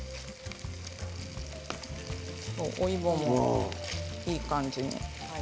お芋もいい感じ。